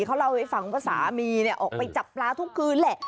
เขาเล่าให้ฟังว่าสามีออกไปจับปลาทุกคืนแหละ